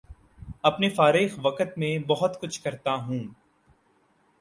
اپنے فارغ وقت میں بہت کچھ کرتا ہوں